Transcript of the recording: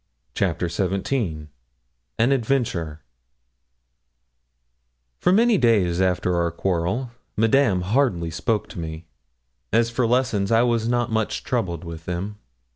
CHAPTER XVII AN ADVENTURE For many days after our quarrel, Madame hardly spoke to me. As for lessons, I was not much troubled with them.